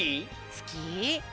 すき？